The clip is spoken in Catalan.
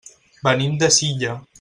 Venim de Silla.